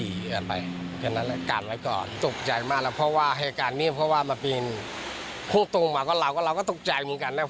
พูดถูกเราเองต้องจ่ายเพราะว่ามาปินรถไง